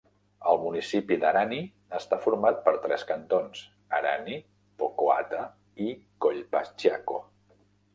El municipi d'Arani està format per tres cantons: Arani, Pocoata i Collpaciaco.